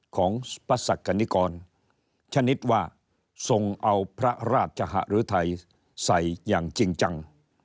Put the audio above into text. ของพระศักดิกรชนิดว่าทรงเอาพระราชหะหรือไทยใส่อย่างจริงจัง